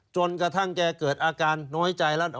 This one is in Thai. จนกระทั่งแกเกิดอาการน้อยใจแล้ว